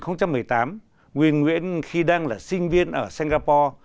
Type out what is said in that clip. năm hai nghìn một mươi tám huyên nguyên khi đang là sinh viên ở singapore